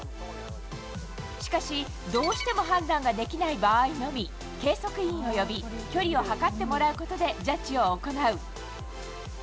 しかし、どうしても判断ができない場合のみ、計測員を呼び、距離を測ってもらうことでジャッジを行う。